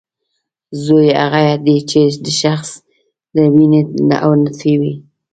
زوی هغه دی چې د شخص له وینې او نطفې وي